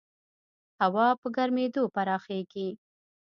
هوا په ګرمېدو پراخېږي.